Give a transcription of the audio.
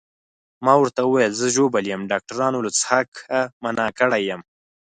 ما ورته وویل زه ژوبل یم، ډاکټرانو له څښاکه منع کړی یم.